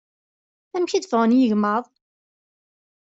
Amek i d-ffɣen yigmaḍ?